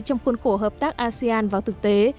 trong khuôn khổ hợp tác asean vào thực tế